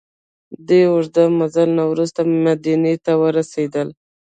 له دې اوږده مزل نه وروسته مدینې ته ورسېدل.